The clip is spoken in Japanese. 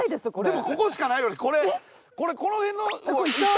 でもここしかないのにこれこの辺の。